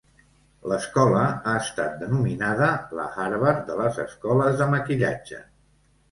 L'escola ha estat denominada "la Harvard de les escoles de maquillatge".